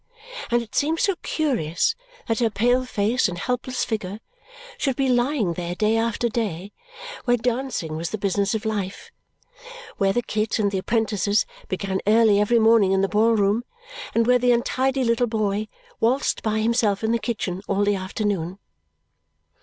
And it seemed so curious that her pale face and helpless figure should be lying there day after day where dancing was the business of life, where the kit and the apprentices began early every morning in the ball room, and where the untidy little boy waltzed by himself in the kitchen all the afternoon.